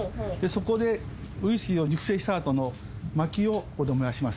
そこでウイスキーを熟成した後の薪をここで燃やします。